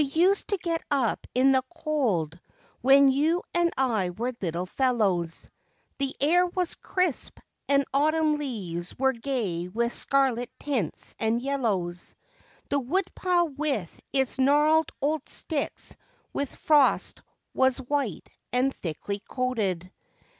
USED to get up in the cold when you and I were little fellows; The air was crisp, and autumn leaves were gay with scarlet tints and yellows; The woodpile with i t s gnarled old sticks with frost was white and thickly coated.